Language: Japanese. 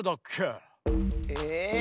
え？